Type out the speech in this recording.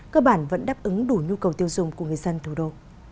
cơ bản vẫn đáp ứng đủ nhu cầu tiêu dùng của người dân thủ đô